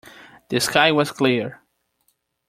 The sky was clear.